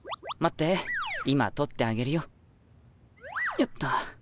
よっと。